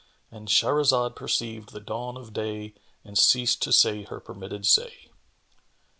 "—And Shahrazad perceived the dawn of day and ceased to say her permitted say.